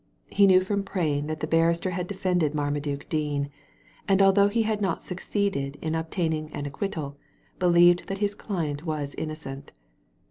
He knew from Prain that the barrister had defended Marmaduke Dean, and although he had not succeeded in obtain ing an acquittal, believed that his client was innocent.